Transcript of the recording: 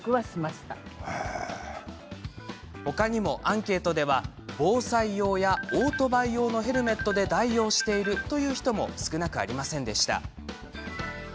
他にもアンケートでは、防災用やオートバイ用のヘルメットで代用しているという人も少なくありませんでした。